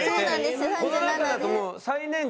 この中だともう最年長。